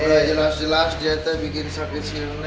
udah jelas jelas kita bikin sakit sini